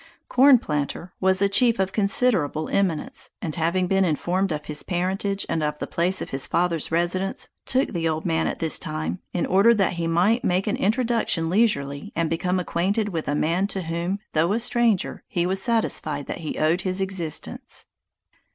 Corn Planter, was a chief of considerable eminence; and having been informed of his parentage and of the place of his father's residence, took the old man at this time, in order that he might make an introduction leisurely, and become acquainted with a man to whom, though a stranger, he was satisfied that he owed his existence.